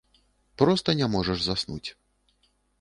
Проста не можаш заснуць.